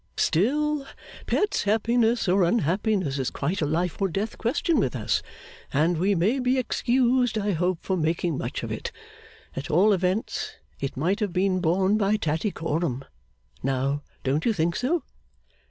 Still, Pet's happiness or unhappiness is quite a life or death question with us; and we may be excused, I hope, for making much of it. At all events, it might have been borne by Tattycoram. Now, don't you think so?